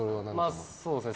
まあ、そうですね。